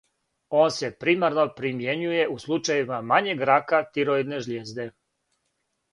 Он се примарно примјењује у случајевима мањег рака тироидне жлијезде.